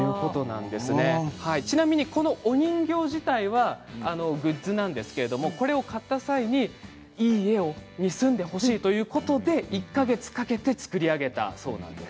ちなみにお人形自体はグッズなんですけれど買った際に家に住んでほしいということで１か月かけて作り上げたそうなんです。